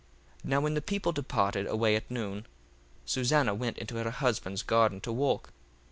1:7 Now when the people departed away at noon, Susanna went into her husband's garden to walk.